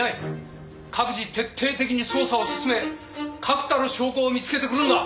各自徹底的に捜査を進め確たる証拠を見つけてくるんだ。